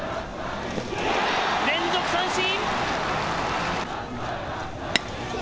連続三振。